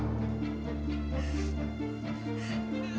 gak mungkin pak